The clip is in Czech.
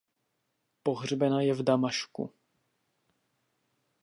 Pohřbena je v Damašku.